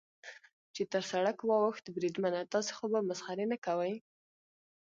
چې تر سړک واوښت، بریدمنه، تاسې خو به مسخرې نه کوئ.